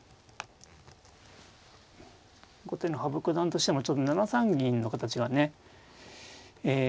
後手の羽生九段としても７三銀の形はねえ